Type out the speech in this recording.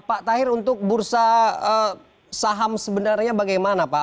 pak tahir untuk bursa saham sebenarnya bagaimana pak